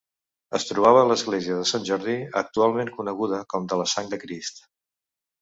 Es trobava a l'església de Sant Jordi, actualment coneguda com de la Sang de Crist.